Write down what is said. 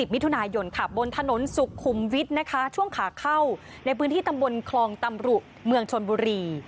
มิถุนายนค่ะบนถนนสุขุมวิทย์นะคะช่วงขาเข้าในพื้นที่ตำบลคลองตำรุเมืองชนบุรี